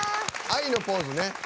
愛のポーズね。